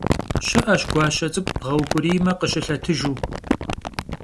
Şı'eş guaşe ts'ık'u, bğeuk'uriyme khışılhetıjju.